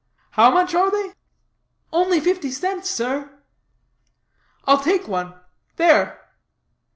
How much are they?" "Only fifty cents, sir." "I'll take one. There!"